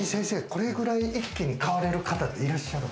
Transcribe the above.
これぐらい一気に買われる方っていらっしゃる？